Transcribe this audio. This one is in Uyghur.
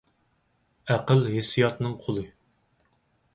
ئەقىل ھېسسىياتنىڭ قۇلى.